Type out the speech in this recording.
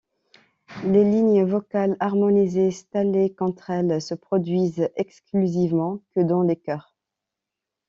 Les lignes vocales harmonisées Staley-Cantrell, se produisent exclusivement que dans les chœurs.